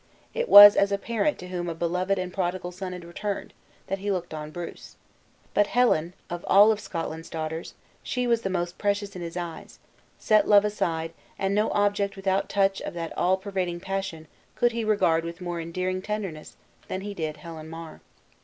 It was as a parent to whom a beloved and prodigal son had returned, that he looked on Bruce. But Helen, of all Scotland's daughters, she was the most precious in his eyes; set love aside, and no object without the touch of that all pervading passion could he regard with more endearing tenderness than he did Helen Mar.